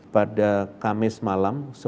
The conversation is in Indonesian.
pada kamis malam